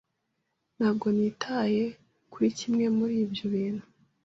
Ntabwo nitaye kuri kimwe muri ibyo bintu.